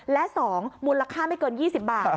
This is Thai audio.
และ๒มูลค่าไม่เกิน๒๐บาท